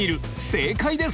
正解です。